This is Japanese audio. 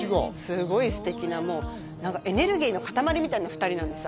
すごい素敵なもう何かエネルギーの塊みたいな２人なんですよ